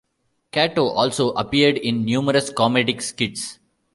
Kato also appeared in numerous comedic skits.